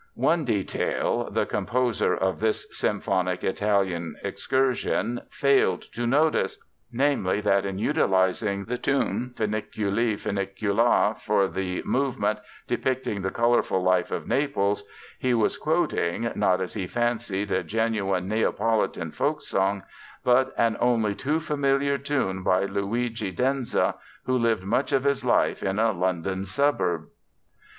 One detail the composer of this symphonic Italian excursion failed to notice—namely that in utilizing the tune Funiculi, Funicula for the movement depicting the colorful life of Naples he was quoting, not as he fancied a genuine Neapolitan folksong, but an only too familiar tune by Luigi Denza, who lived much of his life in a London suburb!